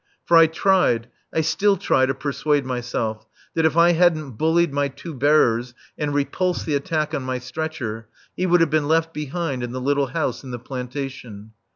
For I tried, I still try, to persuade myself that if I hadn't bullied my two bearers and repulsed the attack on my stretcher, he would have been left behind in the little house in the plantation.